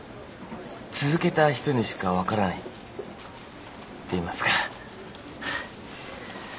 続けた人にしか分からないっていいますか。